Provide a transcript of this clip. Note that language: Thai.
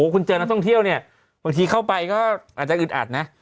บางทีเข้าไปก็อาจจะอึดอัดนะ